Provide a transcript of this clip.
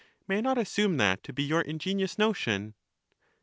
May I not assume that to be your ingenious notion?